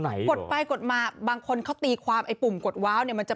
กดไปกดมาบางคนเขาตีความไอ้ปุ่มกดว้าวเนี่ยมันจะ